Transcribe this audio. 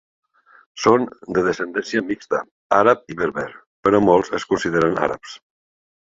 Són de descendència mixta àrab i berber, però molts es consideren àrabs.